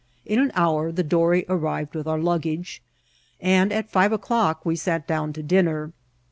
In an hour the dory arrived with our luggage, and at five o'clock we sat down to dinner.